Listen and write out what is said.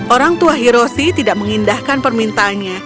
orang tua hiroshi tidak mengindahkan permintaannya